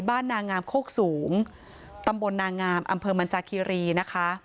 นางามโคกสูงตำบลนางามอำเภอมันจาคีรีนะคะ